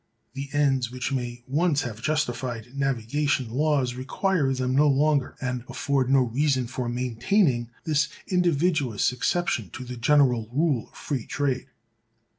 The ends which may once have justified navigation laws require them no longer, and afford no reason for maintaining this invidious exception to the general rule of free trade.